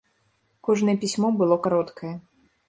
Кожнае пісьмо было кароткае.